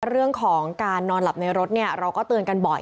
เรื่องของการนอนหลับในรถเราก็เตือนกันบ่อย